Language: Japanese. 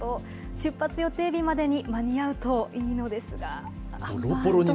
出発予定日までに間に合うといいのですが。